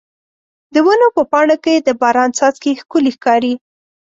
د ونې په پاڼو کې د باران څاڅکي ښکلي ښکاري.